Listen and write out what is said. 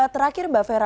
terakhir mbak fera